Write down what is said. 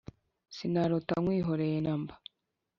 Sinarota nkwihoreye namba